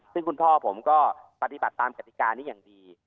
ซึ่งคุณพ่อผมก็ปฏิบัติตามกติกานี้อย่างดี